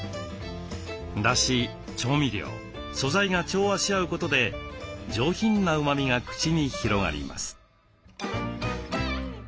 だし調味料素材が調和し合うことで上品なうまみが口に広がります。